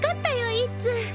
いっつん。